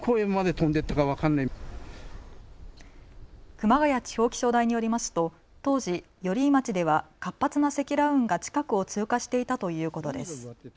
熊谷地方気象台によりますと当時、寄居町では活発な積乱雲が近くを通過していたということです。